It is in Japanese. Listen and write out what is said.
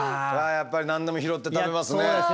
やっぱり何でも拾って食べますね。